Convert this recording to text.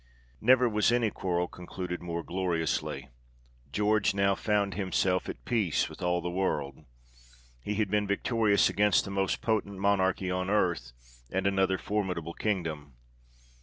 NEVER was any quarrel concluded more gloriously. George now found himself at peace with all the world ; he had been victorious against the most potent mon archy on earth, and another formidable kingdom.